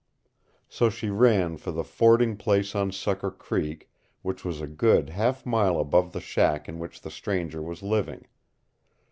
So she ran for the fording place on Sucker Creek, which was a good half mile above the shack in which the stranger was living.